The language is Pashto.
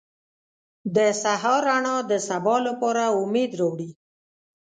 • د سهار رڼا د سبا لپاره امید راوړي.